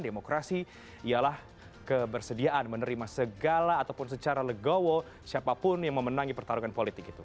demokrasi ialah kebersediaan menerima segala ataupun secara legowo siapapun yang memenangi pertarungan politik itu